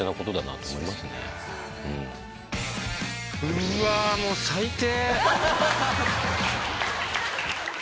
うわもう最低！